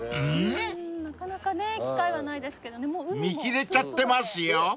［見切れちゃってますよ］